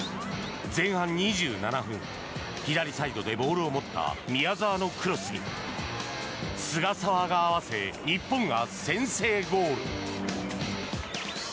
前半２７分、左サイドでボールを持った宮澤のクロスに菅澤が合わせ日本が先制ゴール。